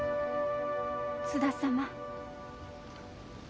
津田様。